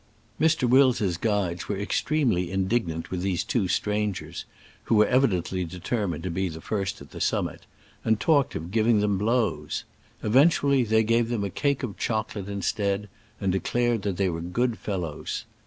Mr. Wills' guides were extremely indig nant with these two strangers (who were evidently determined to be the first at the summit), and talked of giving them blows. Eventually they gave them a cake of chocolate instead, and declared that they were good fellows.